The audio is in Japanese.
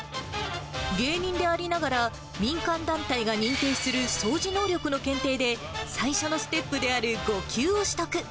芸人でありながら民間団体が認定する掃除能力の検定で、最初のステップである５級を取得。